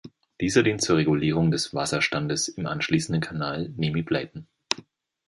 Dieser dient zur Regulierung des Wasserstandes im anschließenden Kanal Nimy-Blaton.